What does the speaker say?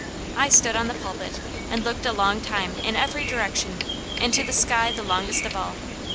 I stood on the pulpit and looked a long time in every direction, into the sky the longest of all.